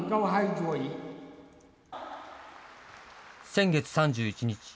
先月３１日。